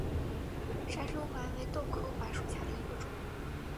砂生槐为豆科槐属下的一个种。